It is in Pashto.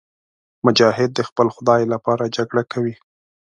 مجاهد د خپل خدای لپاره جګړه کوي.